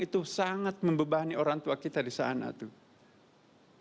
itu sangat membebani orang tua kita di sana tuh